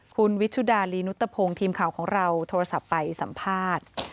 คุณวิชุดาลีนุตพงศ์ทีมข่าวของเราโทรศัพท์ไปสัมภาษณ์